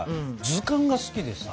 図鑑が好きでさ。